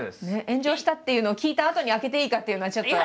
炎上したっていうのを聞いたあとに開けていいかっていうのはちょっと。